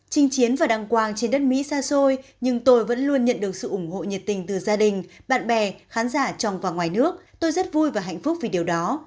trinh chiến và đăng quang trên đất mỹ xa xôi nhưng tôi vẫn luôn nhận được sự ủng hộ nhiệt tình từ gia đình bạn bè khán giả trong và ngoài nước tôi rất vui và hạnh phúc vì điều đó